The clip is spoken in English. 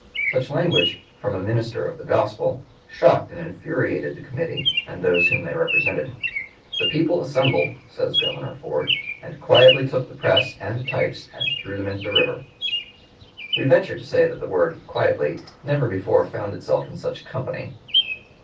Such language "from a minister of the gospel" shocked and infuriated the committee and those whom they represented. "The people assembled," says Governor Ford, "and quietly took the press and types and threw them into the river." We venture to say that the word "quietly" never before found itself in such company.